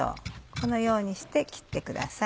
このようにして切ってください。